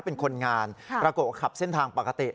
เป็นคนงานปรากฏว่าขับเส้นทางปกติ